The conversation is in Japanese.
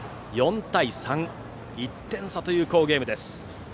４対３と、１点差という好ゲームです。